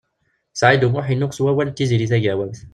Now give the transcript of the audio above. Saɛid U Muḥ yennuɣ s wawal d Tiziri Tagawawt.